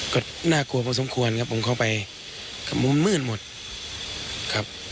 ก็น่ากลัวพอสมควรครับผมเข้าไปมุมมืดหมดครับ